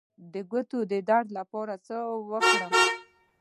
د ګوتو د درد لپاره باید څه وکړم؟